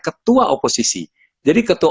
ketua oposisi jadi ketua